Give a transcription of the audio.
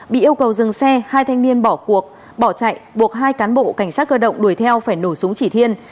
bị yêu cầu dừng xe hai thanh niên bỏ cuộc bỏ chạy buộc hai cán bộ cảnh sát cơ động đuổi theo phải nổ súng chỉ thiên